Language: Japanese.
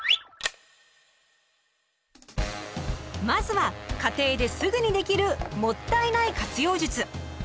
まずは家庭ですぐにできる「もったいない活用術」。